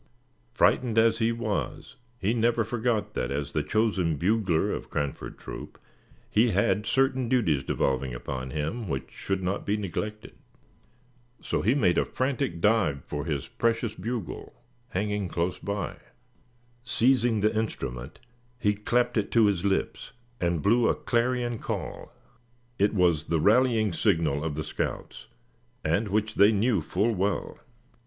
Frightened as he was, he never forgot that, as the chosen bugler of Cranford Troop, he had certain duties devolving upon him which should not be neglected. So he made a frantic dive for his precious bugle, hanging close by. Seizing the instrument, he clapped it to his lips, and blew a clarion call. It was the rallying signal of the scouts, and which they knew full well.